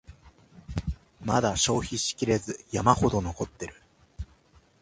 まだ消費しきれず山ほど残ってる